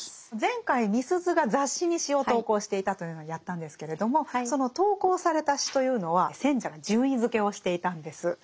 前回みすゞが雑誌に詩を投稿していたというのをやったんですけれどもその投稿された詩というのは選者が順位づけをしていたんです。